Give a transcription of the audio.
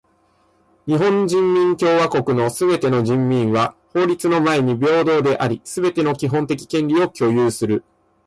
日本人民共和国のすべての人民は法律の前に平等であり、すべての基本的権利を享有する。